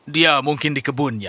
dia mungkin di kebunnya